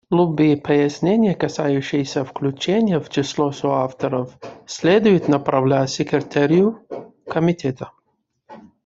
Любые пояснения, касающиеся включения в число соавторов, следует направлять Секретарю Комитета.